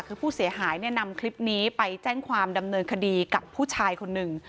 คือผู้เสียหายเนี่ยนำคลิปนี้ไปแจ้งความดำเนินคดีกับผู้ชายคนหนึ่ง